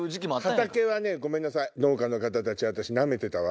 畑はねごめんなさい農家の方たち私ナメてたわ。